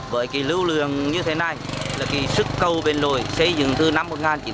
bởi lưu lượng như thế này sức cầu bến lội xây dựng từ năm một nghìn chín trăm chín mươi một chín mươi hai